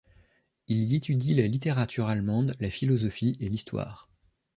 Il y étudie la littérature allemande, la philosophie et l'histoire.